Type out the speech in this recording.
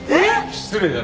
失礼だな